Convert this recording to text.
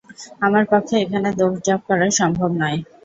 আমার পক্ষে এখানে দৌঁড়-ঝাপ করা সম্ভব নয়।